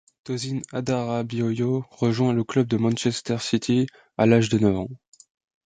Tosin Adarabioyo rejoint le club de Manchester City à l'âge de neuf ans.